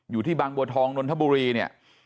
อยู่ที่บางบัวทองนนทบุรีเนี่ย